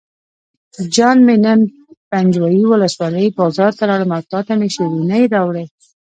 جان مې نن پنجوایي ولسوالۍ بازار ته لاړم او تاته مې شیرینۍ راوړې.